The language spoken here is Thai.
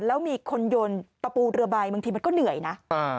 แล้วมีคนโยนตะปูเรือใบบางทีมันก็เหนื่อยนะ